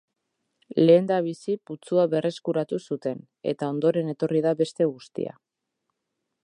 Lehendabizi putzua berreskuratu zuten, eta ondoren etorri da beste guztia.